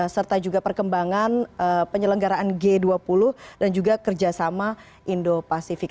serta juga perkembangan penyelenggaraan g dua puluh dan juga kerjasama indo pasifik